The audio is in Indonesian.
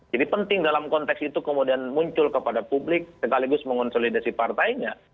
jadi penting dalam konteks itu kemudian muncul kepada publik sekaligus mengonsolidasi partainya